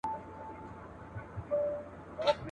پرسکروټو به وروړمه د تڼاکو رباتونه .